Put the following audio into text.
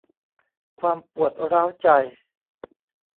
ความปวดร้าวใจ